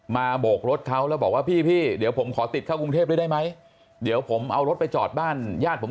มาโบกรถเขาแล้วบอกว่าพี่เดี๋ยวผมขอติดเข้ากรุงเทพฯได้ไหม